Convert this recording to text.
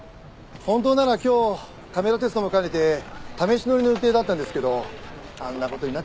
本当なら今日カメラテストも兼ねて試し乗りの予定だったんですけどあんな事になっちゃって。